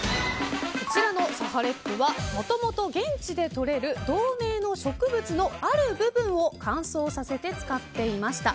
こちらのサハレップはもともと現地でとれる同名の植物のある部分を乾燥させて使っていました。